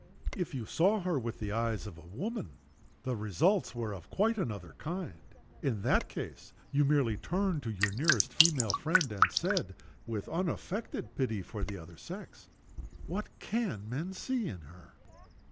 If you saw her with the eyes of a woman, the results were of quite another kind. In that case you merely turned to your nearest female friend, and said, with unaffected pity for the other sex, "What can the men see in her!"